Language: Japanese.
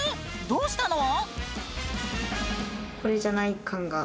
どうしたの？